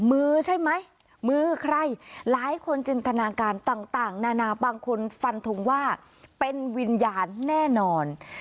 มือใช่ไหมมือใครหลายคนจินตนาการต่างนานาบางคนฟันทงว่าเป็นวิญญาณแน่นอน